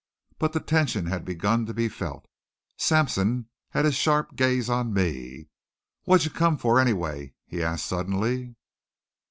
But the tension had begun to be felt. Sampson had his sharp gaze on me. "What'd you come for, anyway?" he asked suddenly.